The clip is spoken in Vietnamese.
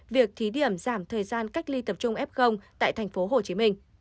việc thí điểm giảm thời gian cách ly tập trung f tại tp hcm